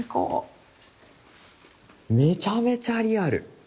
めちゃめちゃリアル！